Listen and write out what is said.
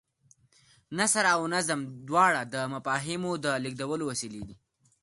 نثر او نظم دواړه د مفاهیمو د لېږدولو وسیلې دي.